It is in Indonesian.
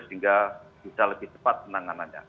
sehingga bisa lebih cepat penanganannya